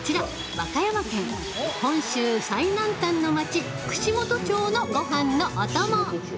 和歌山県、本州最南端の町串本町のごはんのお供。